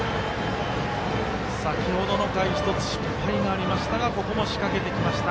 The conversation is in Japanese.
先ほどの回１つ失敗がありましたがここも仕掛けてきました。